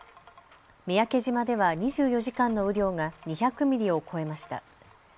三宅島では２４時間の雨量が２００ミリを超えました。